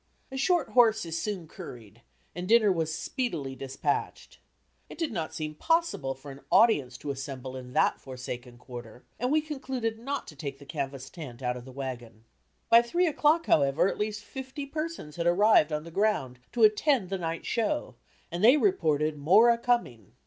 "A short horse is soon curried," and dinner was speedily despatched. It did not seem possible for an audience to assemble in that forsaken quarter, and we concluded not to take the canvas tent out of the wagon. By three o'clock, however, at least fifty persons had arrived on the ground to attend the night show and they reported "more a coming."